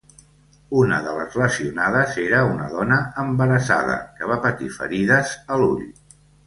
Una de les lesionades era una dona embarassada, que va patir ferides a l'ull.